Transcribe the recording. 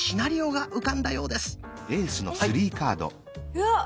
うわっ。